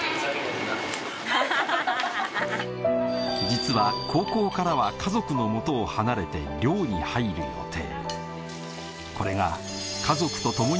実は高校からは家族の元を離れて寮に入る予定